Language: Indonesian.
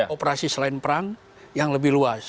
operasi selain perang yang lebih luas